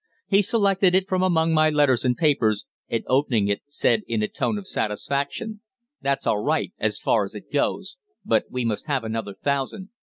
He selected it from among my letters and papers, and, opening it, said in a tone of satisfaction "That's all right as far as it goes. But we must have another thousand."